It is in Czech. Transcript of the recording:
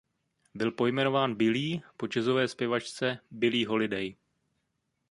Byl pojmenován Billie po jazzové zpěvačce Billie Holiday.